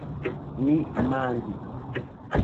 Ni manĝis.